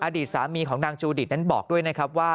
อดีตสามีของนางจูดิตนั้นบอกด้วยนะครับว่า